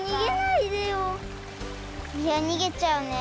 いやにげちゃうね。